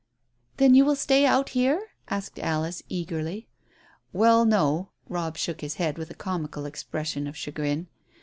"Then you will stay out here?" asked Alice eagerly. "Well, no." Robb shook his head with a comical expression of chagrin.